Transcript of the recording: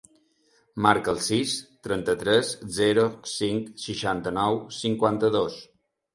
Marca el sis, trenta-tres, zero, cinc, seixanta-nou, cinquanta-dos.